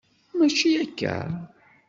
Mačči akka?